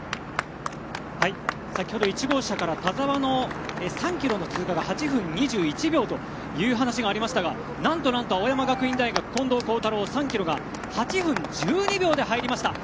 先ほど１号車から田澤の３ｋｍの通過が８分２１秒という話がありましたがなんとなんと青山学院大学、近藤幸太郎３ｋｍが８分１２秒で入りました。